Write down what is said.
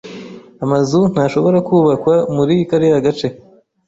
Amazu ntashobora kubakwa muri kariya gace.